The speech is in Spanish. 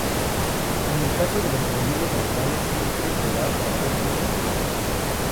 En el caso de los enemigos naturales, siempre serán patógenos animales.